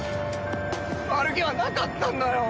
悪気はなかったんだよ！